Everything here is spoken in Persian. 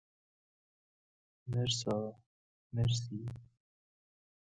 مرسا ـ مرسی